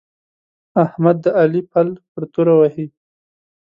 احمد د علي پل پر توره وهي.